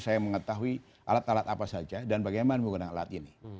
saya mengetahui alat alat apa saja dan bagaimana menggunakan alat ini